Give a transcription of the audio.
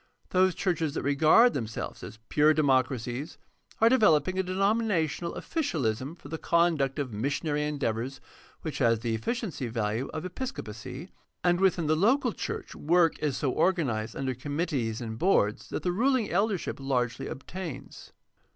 Those churches that regarded themselves as pure democracies are developing a denominational officialism for the conduct of missionary endeavors which has the efficiency value of episco pacy; and within the local church work is so organized under committees and boards that the ruling eldership largely obtains.